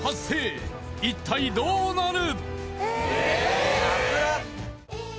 一体どうなる！？